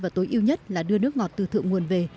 và tối ưu nhất là đưa nước ngọt từ thượng nguồn về